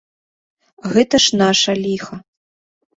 Гэта ж наша ліха.